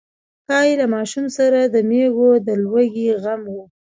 ښايي له ماشوم سره د مېږو د لوږې غم و.